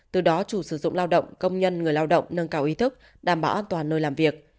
từ đó chủ sử dụng lao động công nhân người lao động nâng cao ý thức đảm bảo an toàn nơi làm việc